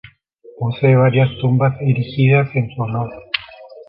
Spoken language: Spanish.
Posee varias tumbas erigidas en su honor.